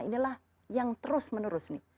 inilah yang terus menerus nih